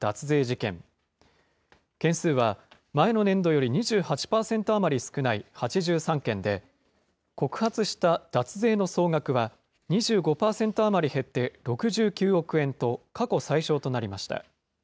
件数は前の年度より２８％余り少ない８３件で、告発した脱税の総額は２５％余り減って６９億円と、過去最少となりました。